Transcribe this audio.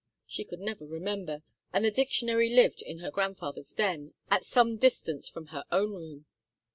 She could never remember, and the dictionary lived in her grandfather's den, at some distance from her own room.